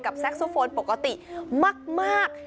กับแซคโซโฟนปกติมาก